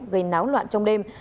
gây náo loạn trong đêm